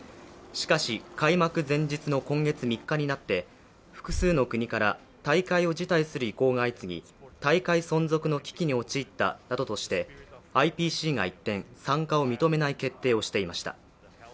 しかし、開幕前日の今月３日になって複数の国から大会を辞退する意向が相次ぎ、大会存続の危機に陥ったなどとして、ＩＰＣが一転、参加を認めない決定をしていました。